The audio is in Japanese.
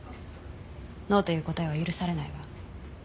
ノーという答えは許されないわ。